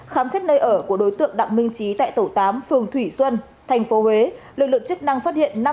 khám xét nơi ở của đối tượng đặng minh trí tại tổ tám phường thủy xuân tp huế lực lượng chức năng phát hiện